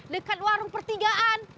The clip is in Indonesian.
dekat warung pertigaan